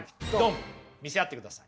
見せ合ってください。